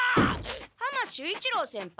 浜守一郎先輩？